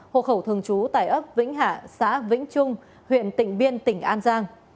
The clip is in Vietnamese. hộ khẩu thường trú tại ấp vĩnh hạ xã vĩnh trung huyện tịnh biên tỉnh an giang